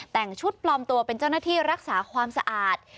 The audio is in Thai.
แต่งชุดปลอมตัวเป็นเจ้าหน้าที่รักษาความสะอาด